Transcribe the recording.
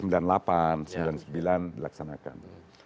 dan seribu sembilan ratus sembilan puluh sembilan dilaksanakan